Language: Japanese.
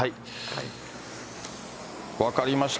分かりました。